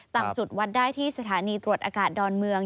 ต่ำสุดวัดได้ที่สถานีตรวจอากาศดอนเมือง